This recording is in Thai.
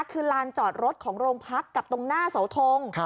คือลานจอดรถของโรงพักกับตรงหน้าเสาทง